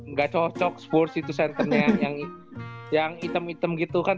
nggak cocok spurs itu centernya yang hitam hitam gitu kan